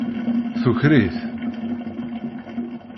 Tuker-it.